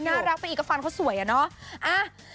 น่ารักไปอีกก็ฟันเขาสวยอะเนาะ